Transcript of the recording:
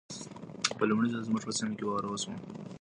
په لمړي ځل زموږ په سيمه کې واوره وشوه.